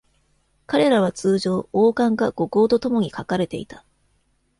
彼らは通常、王冠か後光と共に描かれていた。